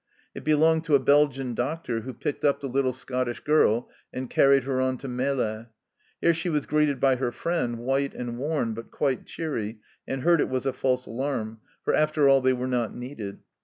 It belonged to a Belgian doctor, who picked up the little Scottish girl and carried her on to Melle. Here she was greeted by her friend, white and worn, but quite cheery, and heard it was a false alarm, for after all they were not needed